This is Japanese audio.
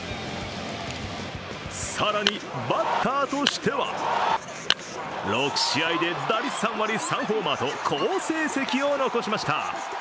更にバッターとしては６試合で打率３割、３ホーマーと好成績を残しました。